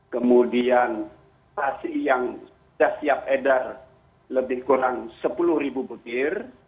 kemudian nasi yang sudah siap edar lebih kurang sepuluh ribu butir